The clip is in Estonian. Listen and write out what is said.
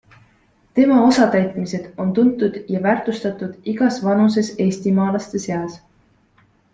Tema osatäitmised on tuntud ja väärtustatud igas vanuses eestimaalaste seas.